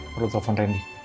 perlu telpon randy